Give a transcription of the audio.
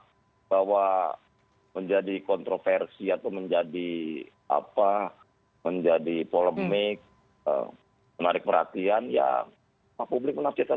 jadi bahwa menjadi kontroversi atau menjadi polemik menarik perhatian ya pak publik menafsirkan sendiri